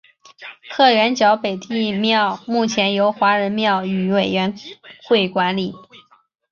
鹤园角北帝庙目前由华人庙宇委员会管理。